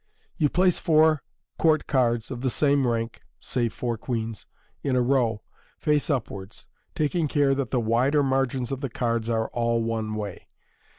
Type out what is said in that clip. You place four court cards of the same rank, say four queens, in a row, face upwards* # MODERN MAGIC taking care that the wider margins off the cards are all one way.